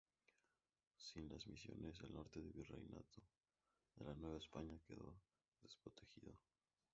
Sin las misiones, el norte del Virreinato de la Nueva España quedó desprotegido.